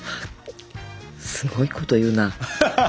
すごいこと言うな。